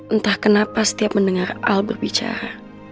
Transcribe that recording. entah kenapa setiap mendengar al berbicara